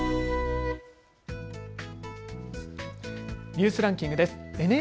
ニュースランキングです。